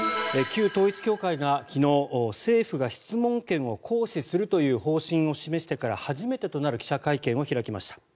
旧統一教会が昨日政府が質問権を行使するという方針を示してから初めてとなる記者会見を開きました。